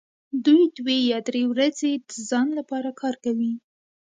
دوی دوې یا درې ورځې د ځان لپاره کار کوي